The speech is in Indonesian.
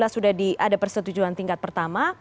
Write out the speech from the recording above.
dua ribu sembilan belas sudah ada persetujuan tingkat pertama